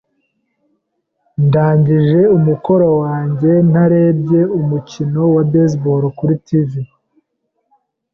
Ndangije umukoro wanjye, narebye umukino wa baseball kuri TV.